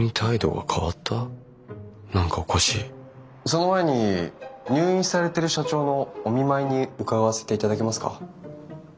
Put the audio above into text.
その前に入院されてる社長のお見舞いに伺わせていただけますか？